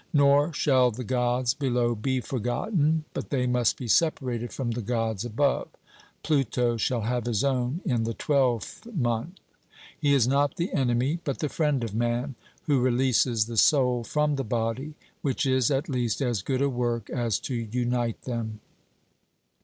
Nor shall the Gods below be forgotten, but they must be separated from the Gods above Pluto shall have his own in the twelfth month. He is not the enemy, but the friend of man, who releases the soul from the body, which is at least as good a work as to unite them.